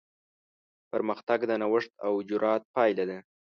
پرمختګ د نوښت او جرات پایله ده.